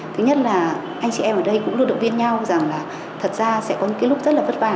thứ nhất là anh chị em ở đây cũng luôn được viên nhau rằng là thật ra sẽ có những cái lúc rất là vất vả